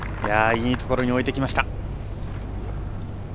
いいところに置いてきました。